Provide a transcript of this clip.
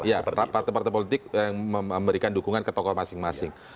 seperti partai partai politik yang memberikan dukungan ke tokoh masing masing